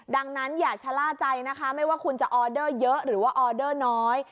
ดังนั้นอย่าชะล่าใจนะคะไม่ว่าคุณจะออเดอร์เยอะหรือว่าออเดอร์น้อย